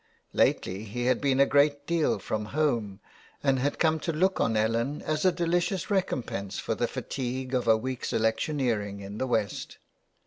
Lately he had been a great deal from home and had come to look on Ellen as a delicious recompense for the fatigue of a week's electioneering in the West.